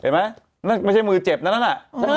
ไม่ใช่มือเจ็บนั้นนะ